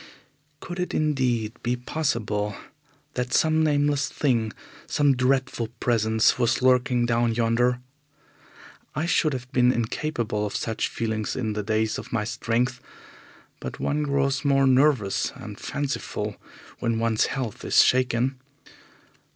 Could it indeed be possible that some nameless thing, some dreadful presence, was lurking down yonder? I should have been incapable of such feelings in the days of my strength, but one grows more nervous and fanciful when one's health is shaken.